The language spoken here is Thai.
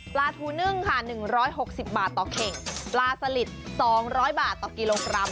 ปลาสลิด๒๐๐บาทต่อกิโลกรัม